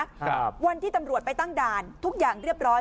ครับวันที่ตำรวจไปตั้งด่านทุกอย่างเรียบร้อย